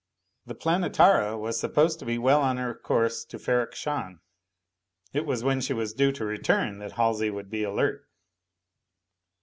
The Planetara was supposed to be well on her course to Ferrok Shahn. It was when she was due to return that Halsey would be alert.